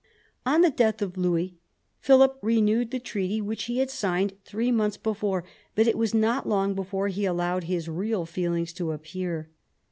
On the death of Louis, Philip renewed the treaty which he had signed three months before, but it was not long before he allowed his real feelings to appear.